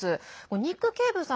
ニック・ケイブさん